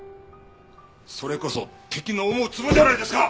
それこそ敵の思うつぼじゃないですか！